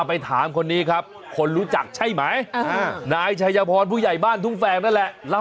ไปถามคนนี้ครับคนรู้จักใช่ไหมนายชัยพรผู้ใหญ่บ้านทุ่งแฝกนั่นแหละ